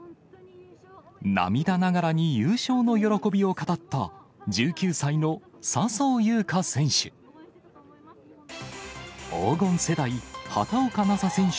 涙ながらに優勝の喜びを語った、１９歳の笹生優花選手。